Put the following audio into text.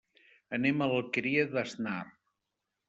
Anem a l'Alqueria d'Asnar.